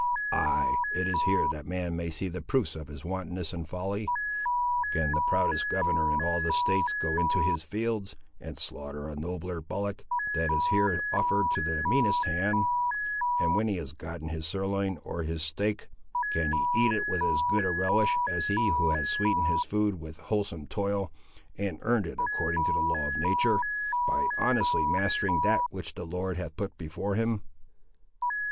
Ay, it is here that man may see the proofs of his wantonness and folly! Can the proudest governor in all the States go into his fields, and slaughter a nobler bullock than is here offered to the meanest hand; and when he has gotten his sirloin, or his steak, can he eat it with as good a relish as he who has sweetened his food with wholesome toil, and earned it according to the law of natur', by honestly mastering that which the Lord hath put before him?"